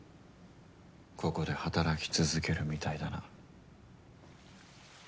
ここで働き続けるみたいだな。